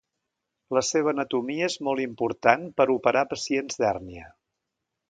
La seva anatomia és molt important per operar pacients d'hèrnia.